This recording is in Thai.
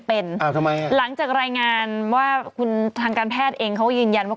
หลังจากรายงานว่าคุณทางการแพทย์เองเขาก็ยืนยันว่า